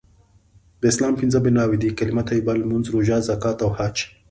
د اسلام پنځه بنأوي دي.کلمه طیبه.لمونځ.روژه.زکات.او حج